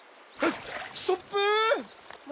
ストップ！